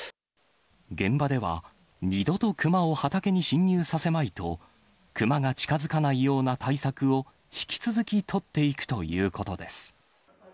現場では、二度と熊を畑に侵入させまいと、熊が近づかないような対策を引き続き取っていくということです。